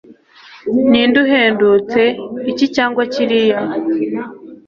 ninde uhendutse, iki cyangwa kiriya